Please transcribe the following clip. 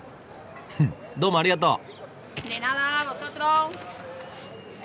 どうもありがとう！